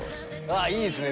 いいですね！